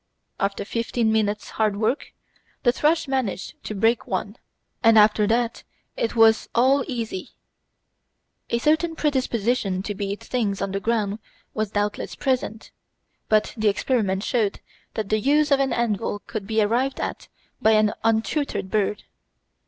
After fifteen minutes' hard work, the thrush managed to break one, and after that it was all easy. A certain predisposition to beat things on the ground was doubtless present, but the experiment showed that the use of an anvil could be arrived at by an untutored bird.